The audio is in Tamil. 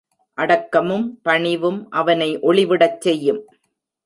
அடக்கமும் பணிவும் அவனை ஒளிவிடச் செய்யும்.